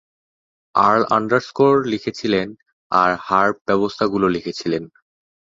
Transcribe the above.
Earl underscore লিখেছিলেন আর herb ব্যবস্থাগুলো লিখেছিলেন।